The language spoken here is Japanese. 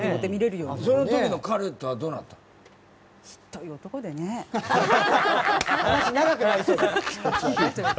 その時の彼とはどうなったの？